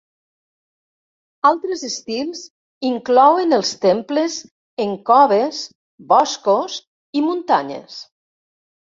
Altres estils inclouen els temples en coves, boscos i muntanyes.